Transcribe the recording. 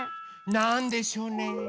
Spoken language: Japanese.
なんでしょうね？